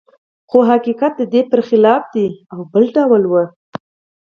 خو حقیقت د دې پرخلاف دی او بل ډول و